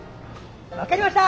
分かりました！